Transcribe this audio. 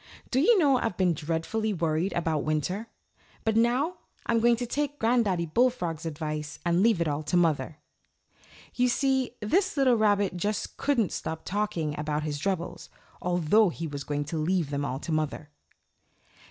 Do you know, I've been dreadfully worried about winter; but now I'm going to take Granddaddy Bullfrog's advice and leave it all to mother." You see, this little rabbit just couldn't stop talking about his troubles, although he was going to leave them all to mother!